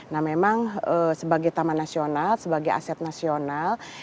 nah memang sebagai taman nasional sebagai aset nasional